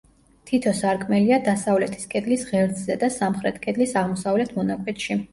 თითო სარკმელია დასავლეთის კედლის ღერძზე და სამხრეთ კედლის აღმოსავლეთ მონაკვეთში.